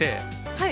はい。